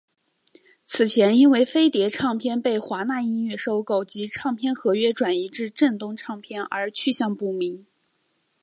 此前因为飞碟唱片被华纳音乐收购及唱片合约转移至正东唱片而去向不明。